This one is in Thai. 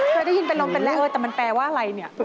เคยได้ยินเป็นลมเป็นแล้วเออแต่มันแปลว่าอะไรเนี่ย